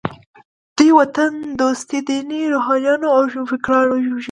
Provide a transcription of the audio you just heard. دوی وطن دوسته ديني روحانيون او روښانفکران ووژل.